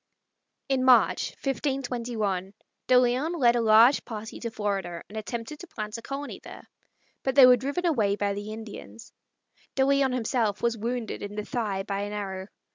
In March, 1521, De Leon led a large party to Florida and attempted to plant a colony there, but they were driven away by the Indians. De Leon himself was wounded in the thigh by an arrow.